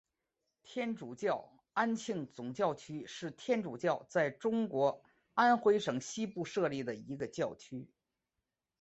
天主教安庆总教区是天主教在中国安徽省西部设立的一个教区。